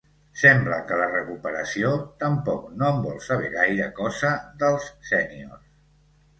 Sembla que la recuperació tampoc no en vol saber gaire cosa, dels sèniors.